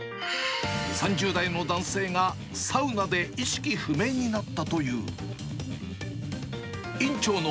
３０代の男性がサウナで意識不明になったという。